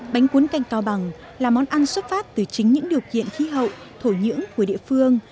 bánh cuốn canh cao bằng là món ăn xuất phát từ chính những điều kiện khí hậu thổ nhưỡng của địa phương